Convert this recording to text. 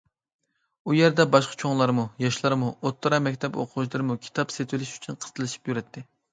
ئۇ يەردە ياشقا چوڭلارمۇ، ياشلارمۇ، ئوتتۇرا مەكتەپ ئوقۇغۇچىلىرىمۇ كىتاب سېتىۋېلىش ئۈچۈن قىستىلىشىپ يۈرەتتى.